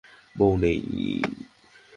বউ নেই?